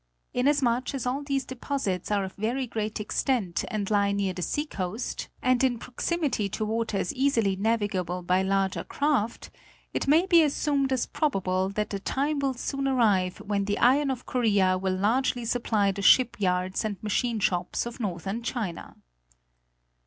Inasmuch as all these deposits are of very great extent and lie near the sea coast, and in proximity to waters easily navigable by larger craft, it may be assumed as probable that the time will soon arrive when the iron of Korea will largely supply the ship yards and machine shops of northern China.